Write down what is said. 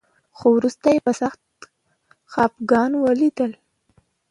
خو وروسته يې په سخت خپګان وليدل.